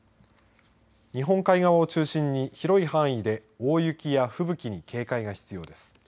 日本海側を中心に広い範囲で大雪や吹雪に警戒が必要です。